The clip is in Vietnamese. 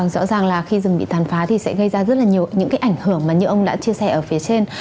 rõ ràng là khi rừng bị tàn phá thì sẽ gây ra rất là nhiều những cái ảnh hưởng mà như ông đã chia sẻ ở phía trên